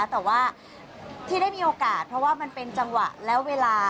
แต่ว่าที่ได้มีโอกาสเพราะว่ามันเป็นจังหวะและเวลา